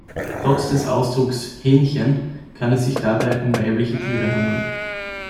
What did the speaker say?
Trotz des Ausdrucks "Hähnchen" kann es sich dabei auch um weibliche Tiere handeln.